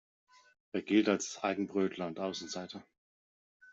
Er gilt als Eigenbrötler und Außenseiter.